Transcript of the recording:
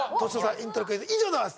イントロクイズ以上でございます